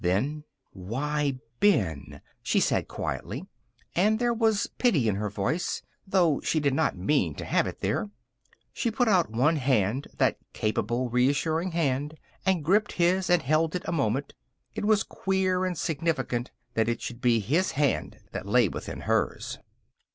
Then: "Why, Ben!" she said quietly. And there was pity in her voice, though she did not mean to have it there. She put out one hand that capable, reassuring hand and gripped his and held it a moment. It was queer and significant that it should be his hand that lay within hers.